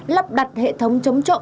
lắp đặt hệ thống chống trộm